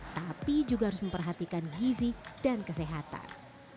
tapi juga harus memperhatikan gizi dan kesehatan